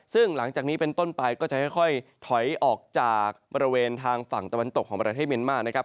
ซึ่งหลังจากนี้เป็นต้นไปก็จะค่อยถอยออกจากบริเวณทางฝั่งตะวันตกของประเทศเมียนมานะครับ